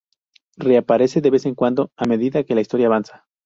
Reaparece de vez en cuando a medida que la historia avanza.